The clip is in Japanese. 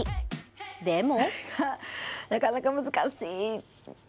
でも。